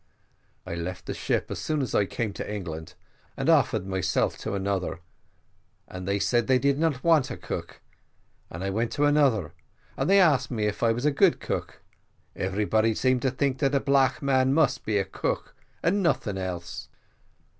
I left the ship as soon as I came to England, and offered myself to another, and they said they did not want a cook; and I went to another, and they asked me if I was a good cook: everybody seemed to think that a black man must be a cook, and nothing else.